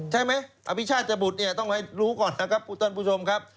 ใช่ไหมอภิชาติบุตรเนี่ยต้องให้รู้ก่อนนะครับท่านผู้ชมครับ